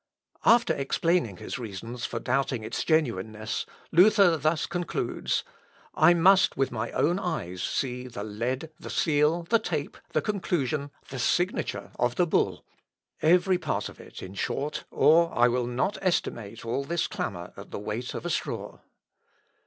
After explaining his reasons for doubting its genuineness, Luther thus concludes, "I must with my own eyes see the lead, the seal, the tape, the conclusion, the signature of the bull every part of it, in short, or I will not estimate all this clamour at the weight of a straw."